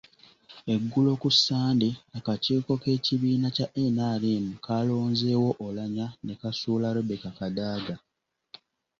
Eggulo ku Ssande akakiiko k’ekibiina kya NRM kaalonzeewo Oulanyah ne kasuula Rebecca Kadaga.